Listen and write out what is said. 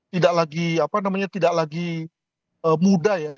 tidak lagi apa namanya tidak lagi muda ya